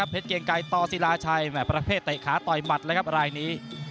เพชรเกียงไก่ต่อสีราชัยแหมดประเภทเตะขาต่อยหมัดอะไรอย่างนี้